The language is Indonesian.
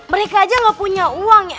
mereka aja nggak punya uang ya